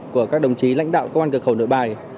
của các đồng chí lãnh đạo công an cửa khẩu nội bài